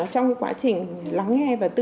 trong quá trình lắng nghe và tìm hiểu